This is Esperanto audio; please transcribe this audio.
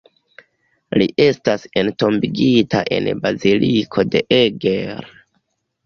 Li estas entombigita en Baziliko de Eger.